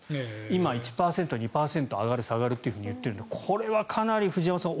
今、１％、２％上がる、下がると言っているのでこれはかなり藤山さん